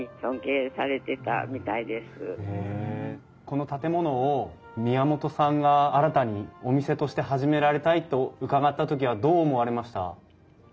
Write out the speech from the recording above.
この建物を宮本さんが新たにお店として始められたいと伺った時はどう思われました？